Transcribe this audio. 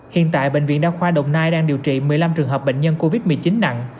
hiện tại bệnh viện đa khoa đồng nai đang điều trị một mươi năm trường hợp bệnh nhân covid một mươi chín nặng